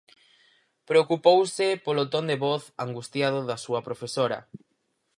Preocupouse polo ton de voz angustiado da súa profesora.